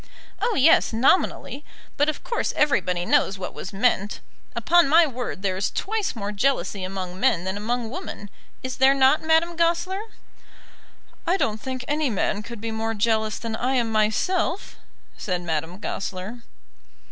"Oh, yes; nominally. But of course everybody knows what was meant. Upon my word there is twice more jealousy among men than among women. Is there not, Madame Goesler?" "I don't think any man could be more jealous than I am myself," said Madame Goesler.